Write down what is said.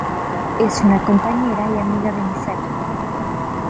Es una compañera y amiga de Misaki.